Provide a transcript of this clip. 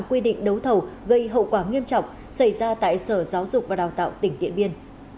quy định đấu thầu gây hậu quả nghiêm trọng xảy ra tại sở giáo dục và đào tạo tỉnh điện biên